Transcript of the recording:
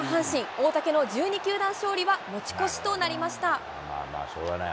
大竹の１２球団勝利は持ち越しとなりました。